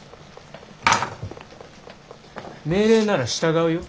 命令なら従うよ。